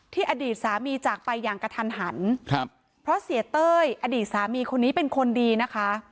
อดีตสามีจากไปอย่างกระทันหันครับเพราะเสียเต้ยอดีตสามีคนนี้เป็นคนดีนะคะ